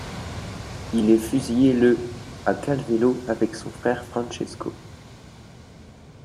Il est fusillé le à Calvello avec son frère Francesco.